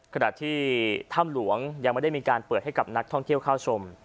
ขณะที่ถ้ำหลวงยังไม่ได้มีการเปิดให้กับนักท่องเที่ยวเข้าชม